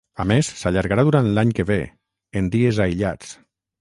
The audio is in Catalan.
A més, s’allargarà durant l’any que ve, en dies aïllats.